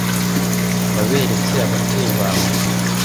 waberetse ababyeyi bawe